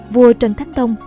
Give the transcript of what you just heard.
vua trần thánh tông